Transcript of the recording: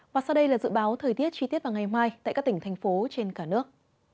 và sau đây là dự báo thời tiết chi tiết vào ngày mai tại các tỉnh thành phố trên cả nước